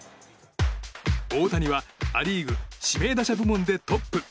大谷はア・リーグ指名打者部門でトップ。